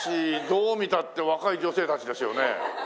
どう見たって若い女性たちですよね？